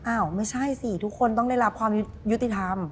อ้าวไม่ใช่สิทุกคนต้องได้รับความยุติธรรม